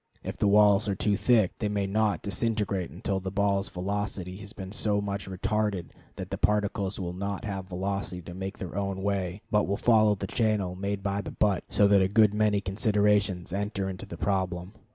If the walls are too thick, they may not disintegrate until the ball's velocity has been so much retarded that the particles will not have velocity to make their own way, but will follow the channel made by the butt; so that a good many considerations enter into the problem.